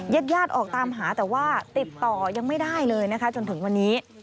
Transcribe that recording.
ญาติญาติออกตามหาแต่ว่าติดต่อยังไม่ได้เลยนะคะจนถึงวันนี้